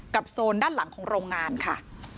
โซนด้านหลังของโรงงานค่ะ